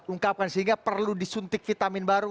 ungkapkan sehingga perlu disuntik vitamin baru